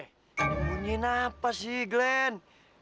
nyembunyain apa sih glenn